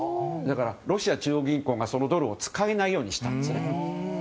だから、ロシア中央銀行がそのドルを使えないようにしたんです。